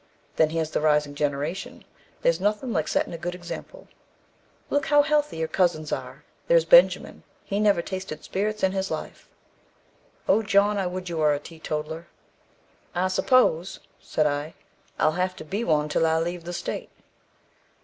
Then here's the rising generation; there's nothing like settin' a good example. Look how healthy your cousins are there's Benjamin, he never tasted spirits in his life. Oh, John, I would you were a teetotaller.' 'I suppose,' said I, 'I'll have to be one till I leave the state.'